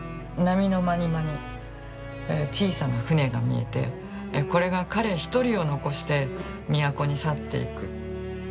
波のまにまに小さな船が見えてこれが彼一人を残して都に去っていく。